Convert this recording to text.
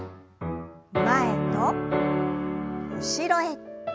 前と後ろへ。